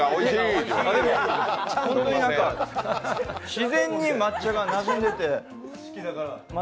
自然に抹茶がなじんでて。